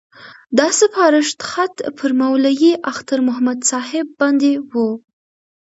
دا سپارښت خط پر مولوي اختر محمد صاحب باندې وو.